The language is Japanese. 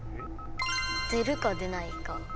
出るか出ないか。